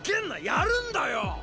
やるんだよ！